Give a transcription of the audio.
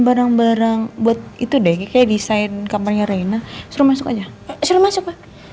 barang barang buat itu deh kayak desain kampanye raina suruh masuk aja suruh masuk